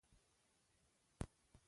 د ژمي په موسم کې تګ راتګ ناشونی وي.